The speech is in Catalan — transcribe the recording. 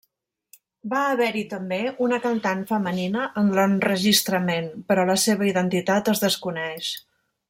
Va haver-hi també una cantant femenina en l'enregistrament però la seva identitat es desconeix.